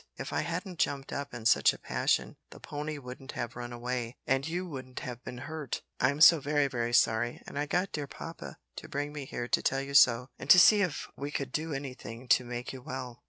If I hadn't jumped up in such a passion, the pony wouldn't have run away, and you wouldn't have been hurt. I'm so very, very sorry, and I got dear papa to bring me here to tell you so, and to see if we could do anything to make you well."